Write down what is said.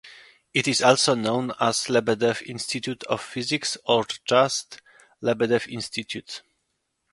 It is also known as Lebedev Institute of Physics or just Lebedev Institute.